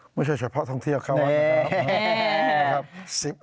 ไม่ใช่เฉพาะท่องเที่ยวข้าววัดนะครับ